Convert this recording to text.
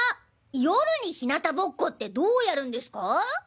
夜にひなたぼっこってどうやるんですか？